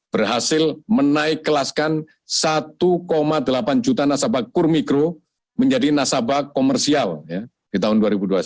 berhasil menaik kelaskan satu delapan juta nasabah kur mikro menjadi nasabah komersial di tahun dua ribu dua puluh satu